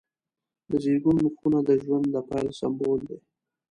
د زیږون خونه د ژوند د پیل سمبول دی.